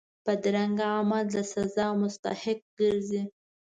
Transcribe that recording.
بدرنګه عمل د سزا مستحق ګرځي